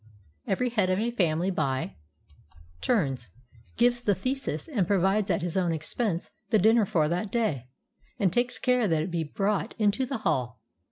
Every head of a family by turns gives the thesis and provides at his own expense the dinner for that day, and takes care that it be brought into the hall.